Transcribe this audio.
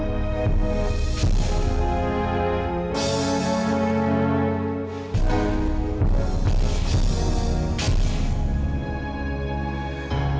tapi aku lagi kesana oke